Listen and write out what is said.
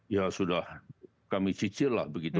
ya sudah kami cicil lah begitu